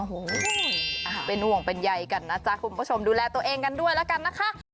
โอ้โหเป็นห่วงเป็นใยกันนะจ๊ะคุณผู้ชมดูแลตัวเองกันด้วยแล้วกันนะคะ